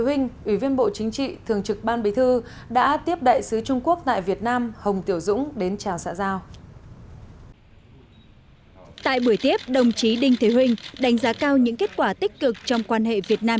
ủy viên bộ chính trị chủ tịch ủy ban trung ương mặt trận tổ quốc việt nam